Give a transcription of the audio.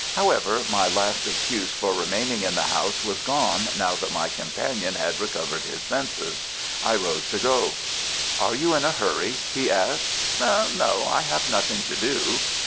However, my last excuse for remaining in the house was gone now that my companion had recovered his senses. I rose to go. "Are you in a hurry?" he asked. "No; I have nothing to do."